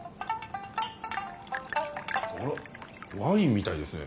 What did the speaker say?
あらワインみたいですね。